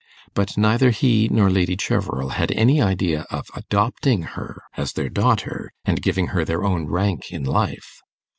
But neither he nor Lady Cheverel had any idea of adopting her as their daughter, and giving her their own rank in life.